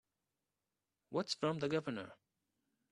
What's from the Governor?